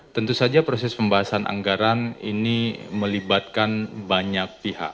tentu saja proses pembahasan anggaran ini melibatkan banyak pihak